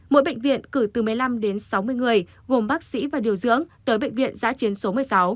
mỗi bệnh viện cử từ một mươi năm đến sáu mươi người gồm bác sĩ và điều dưỡng tới bệnh viện giã chiến số một mươi sáu